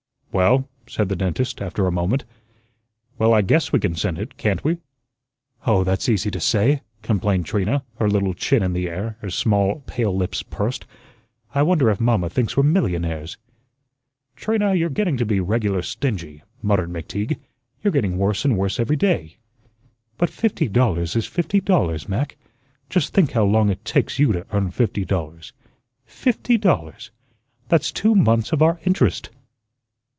"Well," said the dentist, after a moment, "well, I guess we can send it, can't we?" "Oh, that's easy to say," complained Trina, her little chin in the air, her small pale lips pursed. "I wonder if mamma thinks we're millionaires?" "Trina, you're getting to be regular stingy," muttered McTeague. "You're getting worse and worse every day." "But fifty dollars is fifty dollars, Mac. Just think how long it takes you to earn fifty dollars. Fifty dollars! That's two months of our interest."